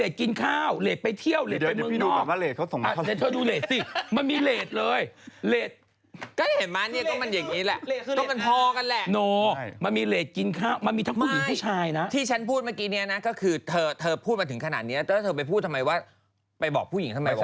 แต่หลายที่สามไปไปโฟนฟอร์นกว่าไหม